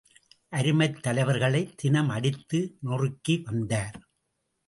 அருமைத் தலைவர்களை தினம் அடித்து நொறுக்கிவந்தார்.